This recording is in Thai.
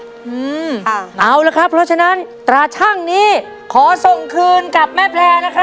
เอาละครับเพราะฉะนั้นตราชั่งนี้ขอส่งคืนกับแม่แพร่นะครับ